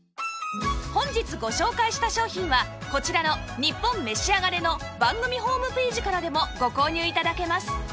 本日ご紹介した商品はこちらの『ニッポンめしあがれ』の番組ホームページからでもご購入頂けます